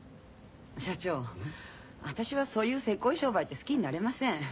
社長私はそういうせこい商売って好きになれません。